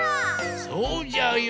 そうじゃよ。